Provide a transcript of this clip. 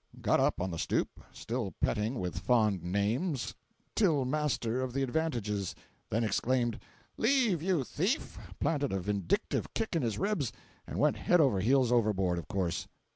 Got up on the stoop, still petting with fond names; till master of the advantages; then exclaimed, "Leave, you thief!"—planted a vindictive kick in his ribs, and went head over heels overboard, of course.